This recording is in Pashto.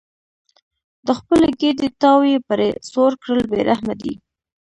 د خپلې ګېډې تاو یې پرې سوړ کړل بې رحمه دي.